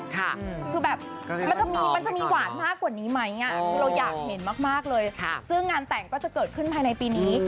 คือแบบมันจะมีหวานมากกว่านี้ไหม